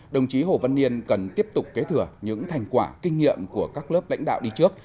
đồng chí hồ văn niên cần tiếp tục kế thừa những thành quả kinh nghiệm của các lớp lãnh đạo đi trước